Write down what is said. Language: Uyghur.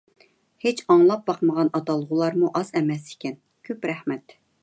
ھېچ ئاڭلاپ باقمىغان ئاتالغۇلارمۇ ئاز ئەمەس ئىكەن. كۆپ رەھمەت.